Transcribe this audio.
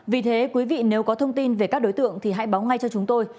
vì thế quý vị nếu có thông tin về các đối tượng thì hãy báo ngay cho chúng tôi